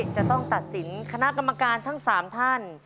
จะต้องตัดสินคณะกรรมการทั้ง๓ท่าน